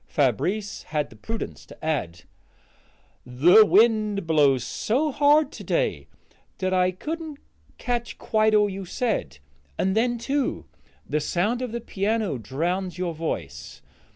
Fabrice had the prudence to add: "The wind blows so hard to day that I couldn't catch quite all you said; and then, too, the sound of the piano drowns your voice.